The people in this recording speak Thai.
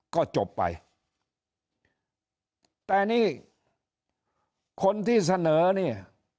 ก็จบไปแต่นี่คนที่เสนอเนี่ย